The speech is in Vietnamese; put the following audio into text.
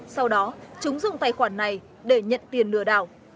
sau đó chúng dùng tài khoản này để nhận tiền lừa đảo